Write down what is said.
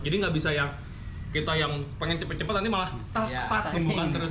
jadi nggak bisa yang kita yang pengen cepet cepet nanti malah pat pat tumbukan terus